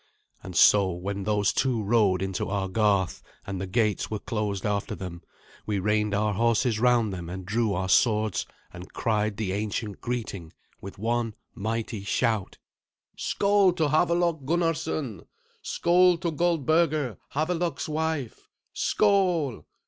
And so, when those two rode into our garth, and the gates were closed after them, we reined our horses round them, and drew our swords, and cried the ancient greeting with one mighty shout: "Skoal to Havelok Gunnarsson Skoal to Goldberga, Havelok's wife! Skoal!